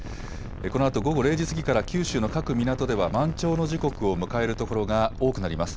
このあと午後０時過ぎから九州の各港では満潮の時刻を迎える所が多くなります。